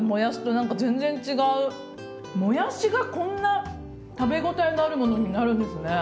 もやしがこんな食べ応えのあるものになるんですね。